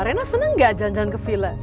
rena senang gak jalan jalan ke villa